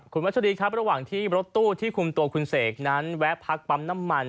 คุณวัชรีครับระหว่างที่รถตู้ที่คุมตัวคุณเสกนั้นแวะพักปั๊มน้ำมัน